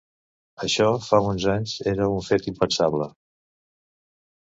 Això fa uns anys era un fet impensable.